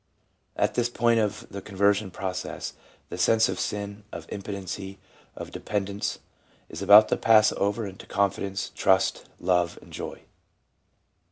At this point of the conversion process the sense of sin, of impotency, of dependence, is about to pass over into confi dence, trust, love and joy.